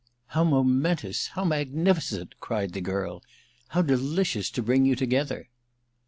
"How momentous—how magnificent!" cried the girl. "How delicious to bring you together!"